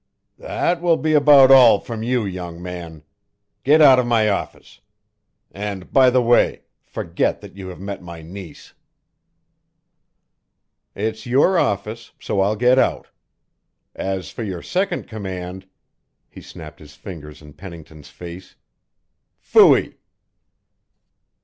"That will be about all from you, young man. Get out of my office. And by the way, forget that you have met my niece." "It's your office so I'll get out. As for your second command" he snapped his fingers in Pennington's face "fooey!"